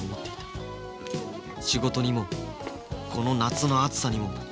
仕事にもこの夏の暑さにも。